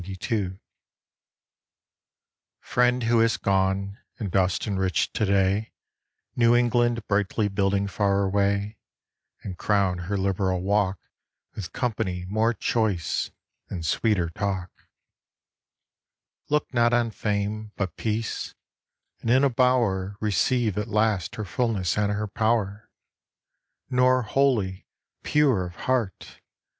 1819 1892_ FRIEND who hast gone, and dost enrich to day New England brightly building far away, And crown her liberal walk With company more choice, and sweeter talk, Look not on Fame, but Peace; and in a bower Receive at last her fulness and her power: Nor wholly, pure of heart!